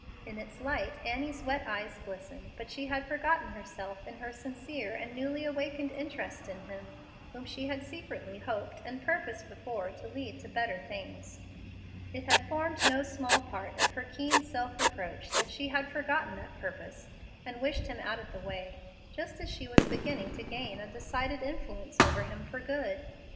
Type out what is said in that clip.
In its light Annie's wet eyes glistened, but she had forgotten herself in her sincere and newly awakened interest in him whom she had secretly hoped and purposed before to lead to better things. It had formed no small part of her keen self reproach that she had forgotten that purpose, and wished him out of the way, just as she was beginning to gain a decided influence over him for good.